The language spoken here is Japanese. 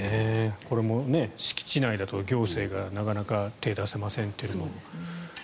これも敷地内だと行政がなかなか手を出せませんというのもありますし。